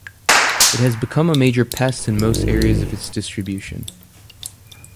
It has become a major pest in most areas of its distribution.